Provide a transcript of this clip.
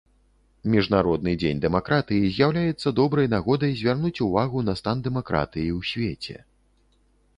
Міжнародны дзень дэмакратыі з'яўляецца добрай нагодай звярнуць увагу на стан дэмакратыі ў свеце.